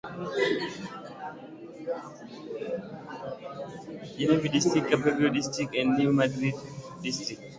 Genevieve District, Cape Girardeau District, and New Madrid District.